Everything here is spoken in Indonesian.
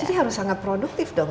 jadi harus sangat produktif dong